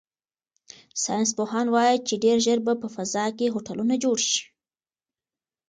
ساینس پوهان وایي چې ډیر ژر به په فضا کې هوټلونه جوړ شي.